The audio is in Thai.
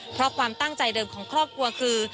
เพราะความตั้งใจเดิมของครอบครัวคือ